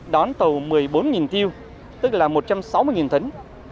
đón tàu một mươi bốn thiêu tức là một trăm sáu mươi tấn